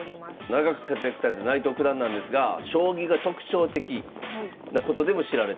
長く活躍された内藤九段なんですが将棋が特徴的なことでも知られてます。